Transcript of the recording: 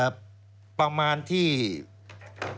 เอ๊ทำถูกกฎหมายแล้วมีการกวาดล้างที่สุดในประวัติศาสตร์ของเยอรมัน